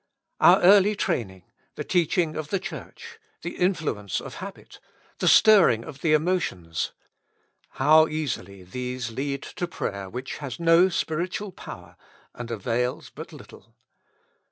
Our early training, the teaching of the Church, the in fluence of habit, the stirring of the emotions — how easily these lead to prayer which has no spiritual power, and avails but little.